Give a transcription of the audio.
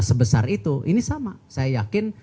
sebesar itu ini sama saya yakin